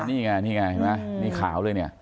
นี่ไงนี่ไงนี่ขาวเลยเนี่ย